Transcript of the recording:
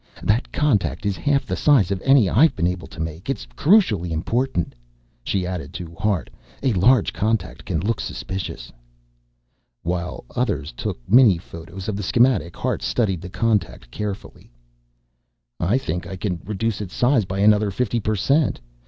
"That contact is half the size of any I've been able to make. It's crucially important," she added to Hart. "A large contact can look suspicious." While others took miniphotos of the schematic, Hart studied the contact carefully. "I think I can reduce its size by another fifty per cent.